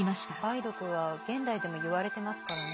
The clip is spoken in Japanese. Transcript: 梅毒は現代でもいわれてますからね。